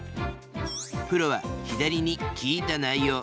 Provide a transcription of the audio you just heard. プロは左に「聞いた内容」。